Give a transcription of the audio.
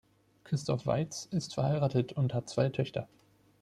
Christoph Waitz ist verheiratet und hat zwei Töchter.